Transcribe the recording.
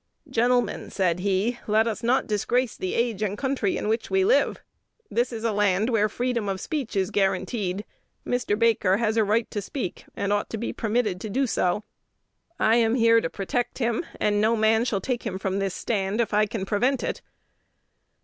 "Gentlemen," said he, "let us not disgrace the age and country in which we live. This is a land where freedom of speech is guaranteed. Mr Baker has a right to speak, and ought to be permitted to do so. I am here to protect him, and no man shall take him from this stand if I can prevent it."